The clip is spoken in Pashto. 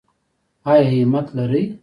ایا همت لرئ؟